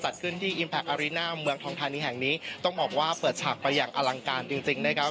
อาริน่าเมืองทองทานิแห่งนี้ต้องบอกว่าเปิดฉากไปอย่างอลังการจริงจริงนะครับ